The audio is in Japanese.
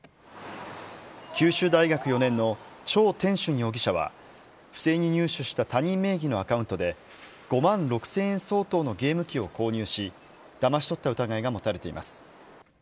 九州大学４年の、張天俊容疑者は、不正に入手した他人名義のアカウントで、５万６０００円相当のゲーム機を購入し、だまし取った疑いが持たれています。